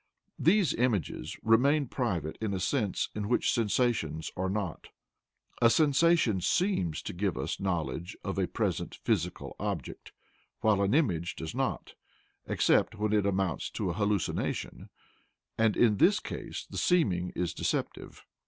These images remain private in a sense in which sensations are not. A sensation SEEMS to give us knowledge of a present physical object, while an image does not, except when it amounts to a hallucination, and in this case the seeming is deceptive.